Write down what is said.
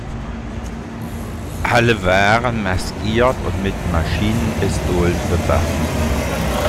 Alle waren maskiert und mit Maschinenpistolen bewaffnet.